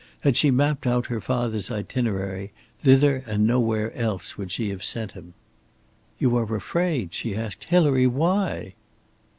Had she mapped out her father's itinerary, thither and nowhere else would she have sent him. "You are afraid?" she asked. "Hilary, why?"